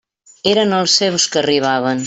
Eren els seus que arribaven.